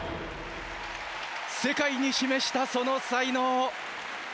世界に示したその才能。